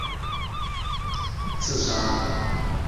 一名自杀炸弹客冲入了艾卡迪村清真寺引爆炸弹。